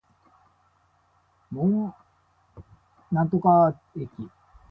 門真南駅